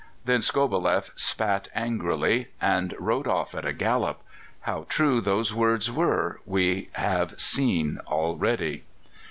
Then Skobeleff spat angrily and rode off at a gallop. How true those words were we have seen already.